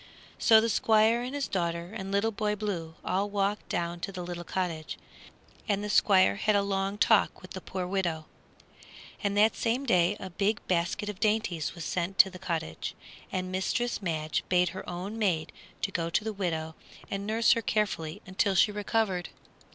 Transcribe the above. So the Squire and his daughter and Little Boy Blue all walked down to the little cottage, and the Squire had a long talk with the poor widow. And that same day a big basket of dainties was sent to the cottage, and Mistress Madge bade her own maid go to the widow and nurse her carefully until she recovered.